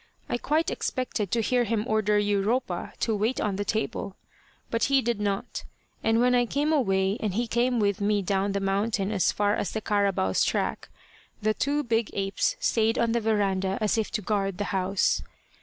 I quite expected to hear him order Europa to wait on the table, but he did not, and when I came away, and he came with me down the mountain as far as the "carabaos" track, the two big apes stayed on the verandah as if to guard the house.